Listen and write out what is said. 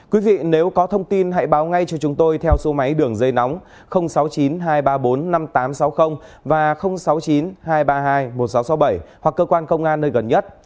quý vị nếu có thông tin hãy báo ngay cho chúng tôi theo số máy đường dây nóng sáu mươi chín hai trăm ba mươi bốn năm nghìn tám trăm sáu mươi và sáu mươi chín hai trăm ba mươi hai một nghìn sáu trăm sáu mươi bảy hoặc cơ quan công an nơi gần nhất